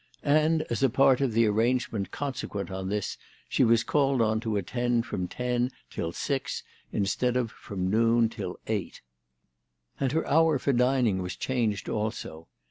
And as a part of the arrangement consequent on this she was called on to attend from ten till six instead of from noon till eight. THE TELEGRAPH GIRL. 287 And her hour for dining was changed also.